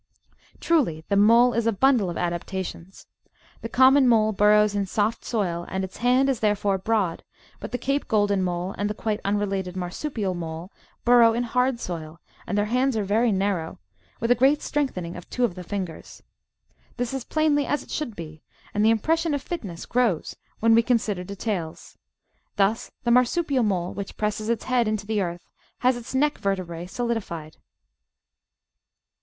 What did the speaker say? Truly the Mole is a bundle of adaptations. The Common Mole burrows in soft soil, and its hand is therefore broad ; but the Cape Golden Mole and the quite unrelated "Mafrsupial Mole" burrow in hard soil, and their hands are very narrow, with a great strengthening of two of the fingers. This is plainly as it should be, and the impression of fitness grows when we consider details. Thus the Marsupial Mole, which presses its head into the earth, has its neck vertebrae solidified.